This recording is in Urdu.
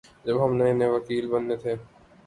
جب ہم نئے نئے وکیل بنے تھے